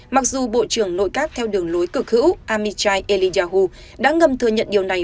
mặc dù bộ trưởng nội các theo đường lối cửa khữ amichai eliyahu đã ngầm thừa nhận điều này